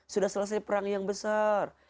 sudah selesai perang yang besar